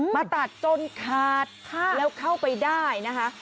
มาตัดจนขาดแล้วเข้าไปได้นะคะ